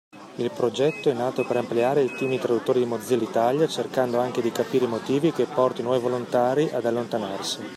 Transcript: Il progetto è nato per ampliare il team di traduttori di Mozilla Italia, cercando anche di capire i motivi che portano i nuovi volontari ad allontanarsi